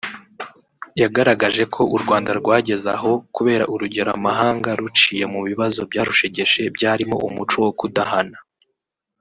yagaragaje ko u Rwanda rwageze aho kubera urugero amahanga ruciye mu bibazo byarushegeshe byarimo umuco wo kudahana